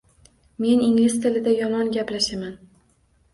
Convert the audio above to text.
Men ingliz tilida yomon gaplashaman.